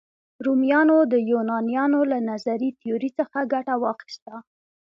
رومیانو د یونانیانو له نظري تیوري څخه ګټه واخیسته.